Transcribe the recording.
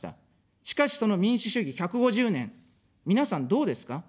しかし、その民主主義１５０年、皆さんどうですか。